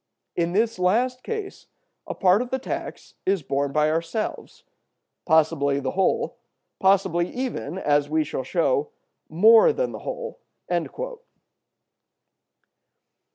In this last case a part of the tax is borne by ourselves; possibly the whole, possibly even, as we shall show, more than the whole."